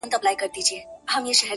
سړیتوب په ښو اوصافو حاصلېږي,